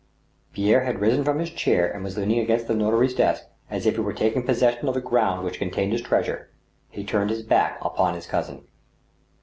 Kerre had risen from his chair and was leaning against the notary's desk as if he were taking possession of the ground which contained his treasure. He turned his back upon his cousin.